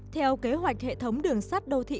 theo kế hoạch hệ thống đường sát đô thị